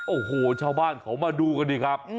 โอ้โหชาวบ้านเขามาดูกันดีครับ